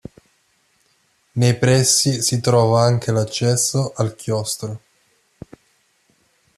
Nei pressi si trova anche l'accesso al chiostro.